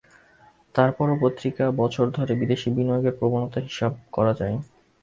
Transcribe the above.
তার পরও পঞ্জিকা বছর ধরে বিদেশি বিনিয়োগের প্রবণতা হিসাব করা যায়।